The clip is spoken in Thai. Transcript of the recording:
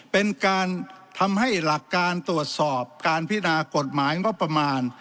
เป็นการทำให้หลักการตรวจสอบการพินากฎหมายงบประมาณ